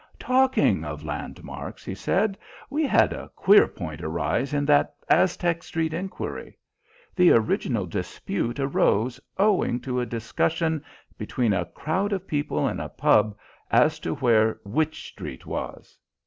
"Talking of landmarks," he said, "we had a queer point arise in that Aztec Street inquiry. The original dispute arose owing to a discussion between a crowd of people in a pub as to where Wych Street was."